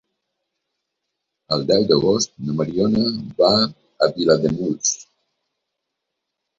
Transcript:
El deu d'agost na Mariona va a Vilademuls.